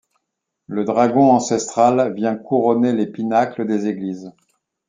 Le dragon ancestral vient couronner les pinacles des églises.